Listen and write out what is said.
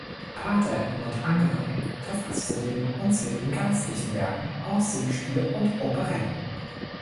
Pater Edmund Angerer verfasste neben unzähligen geistlichen Werken auch Singspiele und Operetten.